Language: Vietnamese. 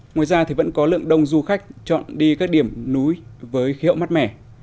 ngoài ra thì vẫn có lượng đông du khách chọn đi các điểm núi với khí hậu mát mẻ